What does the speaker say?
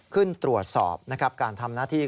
ขึ้นตรวจสอบการทำหน้าที่